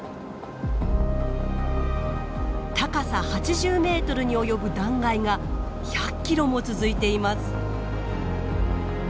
高さ８０ｍに及ぶ断崖が１００ｋｍも続いています。